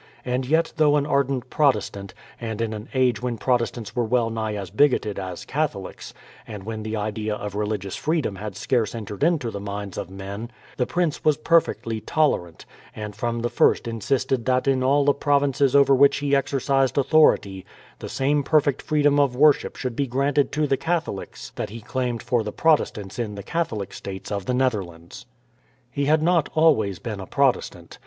And yet though an ardent Protestant, and in an age when Protestants were well nigh as bigoted as Catholics, and when the idea of religious freedom had scarce entered into the minds of men, the prince was perfectly tolerant, and from the first insisted that in all the provinces over which he exercised authority, the same perfect freedom of worship should be granted to the Catholics that he claimed for the Protestants in the Catholic states of the Netherlands. He had not always been a Protestant.